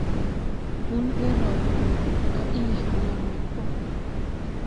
Hun ɓɛ raw do, a ii jobo yaŋ wur p.